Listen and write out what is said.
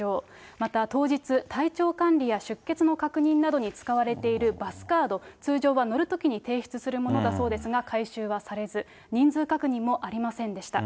また当日、体調管理や出欠の確認などに使われているバスカード、通常は乗るときに提出するものだそうですが、回収はされず、人数確認もありませんでした。